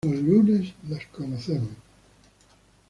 Los lunes las conocemos.